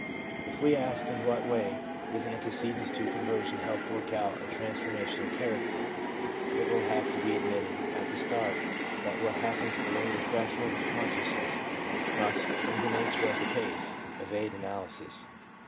If we ask in what way these antecedents to conver sion help work out a transformation of character, it will have to be admitted at the start that what happens below the threshold of consciousness must, in the nature of the case, evade analysis.